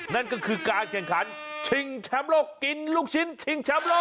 นั่นก็คือการแข่งขันชิงแชมป์โลกกินลูกชิ้นชิงแชมป์โลก